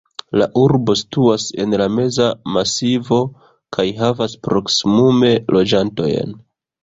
La urbo situas en la Meza Masivo kaj havas proksimume loĝantojn.